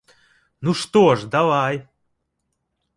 Ну, што ж, давай!